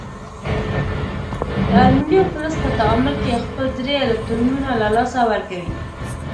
د المونیم فلز په تعامل کې خپل درې الکترونونه له لاسه ورکوي.